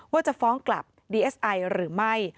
ว่าจะฟ้องกลับดีเอสไอหรือไม่